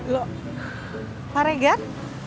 loh pak regat